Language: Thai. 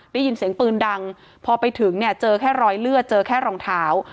ได้ยินเสียงปืนดังพอไปถึงเนี่ยเจอแค่รอยเลือดเจอแค่รองเท้า